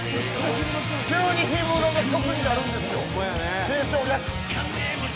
急に氷室の曲になるんですよ。